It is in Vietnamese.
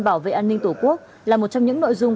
bảo vệ an ninh tổ quốc là một trong những nội dung